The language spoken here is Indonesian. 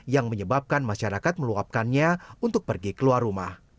yang menyebabkan masyarakat meluapkannya untuk pergi keluar rumah